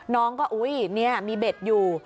น้องก็อุ๊ยนี่มีเบ็ดอยู่